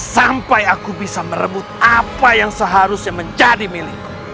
sampai aku bisa merebut apa yang seharusnya menjadi milikku